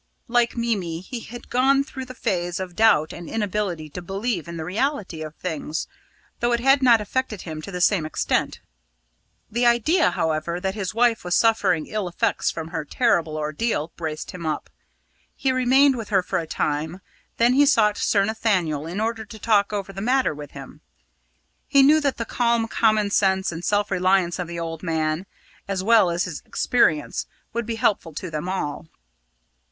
Like Mimi, he had gone through the phase of doubt and inability to believe in the reality of things, though it had not affected him to the same extent. The idea, however, that his wife was suffering ill effects from her terrible ordeal, braced him up. He remained with her for a time, then he sought Sir Nathaniel in order to talk over the matter with him. He knew that the calm common sense and self reliance of the old man, as well as his experience, would be helpful to them all.